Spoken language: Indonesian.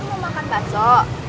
lu mau makan bakso